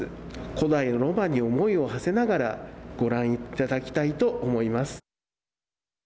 古代のロマンに思いをはせながらご覧いただきたいと思います。